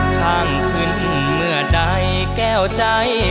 ข้างขึ้นเมื่อใดแก้วใจ